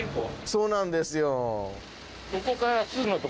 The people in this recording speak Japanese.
そうなんですよ。